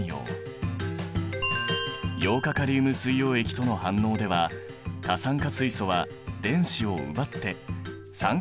ヨウ化カリウム水溶液との反応では過酸化水素は電子を奪って酸化剤として働いている。